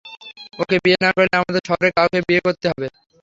ওকে বিয়ে না করলে আমাদের শহরের কাউকেই বিয়ে করতে হবে।